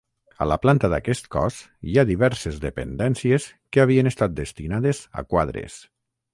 A la planta d'aquest cos, hi ha diverses dependències que havien estat destinades a quadres.